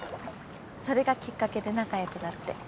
それがきっかけで仲良くなって。